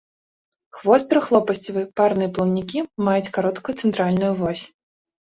Хвост трохлопасцевы, парныя плаўнікі маюць кароткую цэнтральную вось.